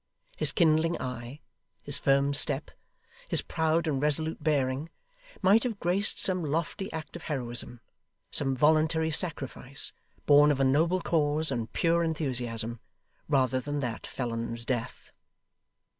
His kindling eye, his firm step, his proud and resolute bearing, might have graced some lofty act of heroism; some voluntary sacrifice, born of a noble cause and pure enthusiasm; rather than that felon's death.